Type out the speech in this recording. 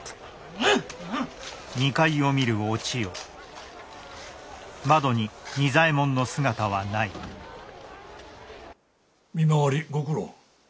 んっ！見回りご苦労。